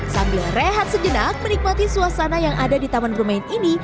sambil rehat sejenak menikmati suasana yang ada di taman bermain ini